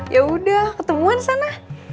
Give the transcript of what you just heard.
ya udah ketemuan sana